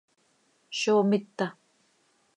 ¿Zó mita?